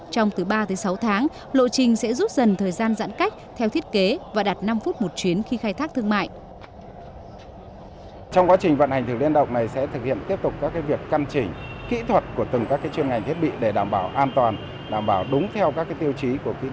trong từ ba sáu tháng lộ trình sẽ rút dần thời gian giãn cách theo thiết kế và đạt năm phút một chuyến khi khai thác thương mại